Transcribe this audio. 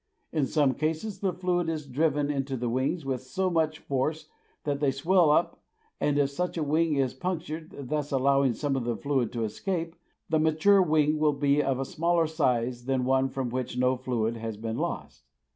In some cases, the fluid is driven into the wings with so much force that they swell up, and if such a wing is punctured, thus allowing some of the fluid to escape, the mature wing will be of a smaller size than one from which no fluid has been lost.